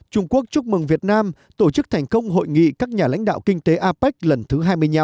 trung quốc chúc mừng việt nam tổ chức thành công hội nghị các nhà lãnh đạo kinh tế apec lần thứ hai mươi năm